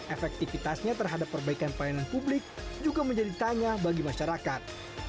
efektivitasnya terhadap perbaikan pelayanan publik juga menjadi tanya bagi masyarakat